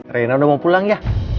reina udah mau pulang ya